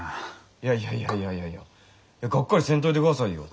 いやいやいやいやいやいやがっかりせんといてくださいよ。